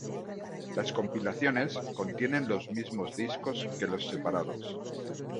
Las compilaciones contienen los mismos discos que los separados.